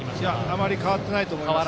あまり変わってないと思います。